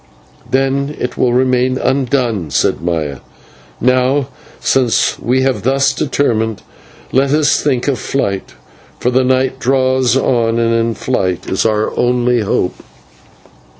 "Then it will remain undone," said Maya. "And now, since we have thus determined, let us think of flight, for the night draws on, and in flight is our only hope."